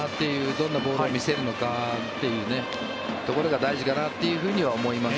どんなボールを見せるのかってところが大事かなとは思います。